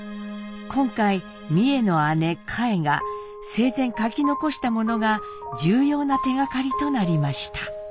今回美惠の姉佳惠が生前書き残したものが重要な手がかりとなりました。